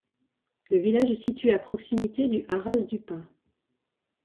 Le village est situé à proximité du Haras du Pin.